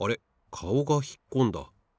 かおがひっこんだ。